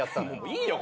いいよ